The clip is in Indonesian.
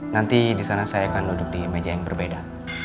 nanti di sana saya akan duduk di meja yang berbeda